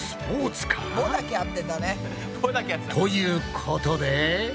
ということで。